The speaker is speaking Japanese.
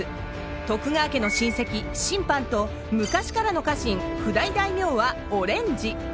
徳川家の親戚親藩と昔からの家臣譜代大名はオレンジ。